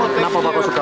kenapa bapak suka